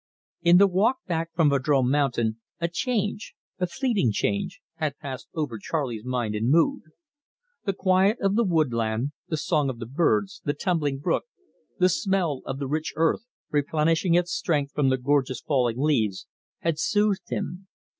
In the walk back from Vadrome Mountain, a change a fleeting change had passed over Charley's mind and mood. The quiet of the woodland, the song of the birds, the tumbling brook, the smell of the rich earth, replenishing its strength from the gorgeous falling leaves, had soothed him.